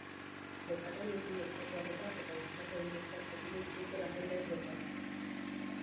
Gertakariekin lotutako arropa eta bestelako ebidentziak aurkitu zituzten agenteek bertan.